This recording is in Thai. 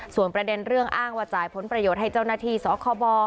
ส่วนประเด็นเรื่องอ้างว่าจ่ายผลประโยชน์ให้เจ้าหน้าที่สคบ